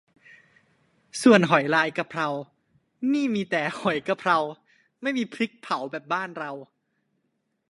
ส่วนหอยลายกะเพรานี่มีแต่หอยกะกะเพรา ไม่มีพริกเผาแบบบ้านเรา